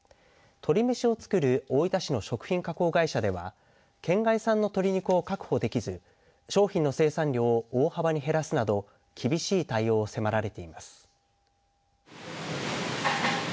鶏めしを作る大分市の食品加工会社では県外産の鶏肉を確保できず商品の生産量を大幅に減らすなど厳しい対応を迫られています。